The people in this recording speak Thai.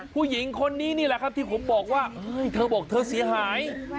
ผู้หญิงคนนี้นี่แหละครับที่ผมบอกว่าเฮ้ยเธอบอกเธอเสียหาย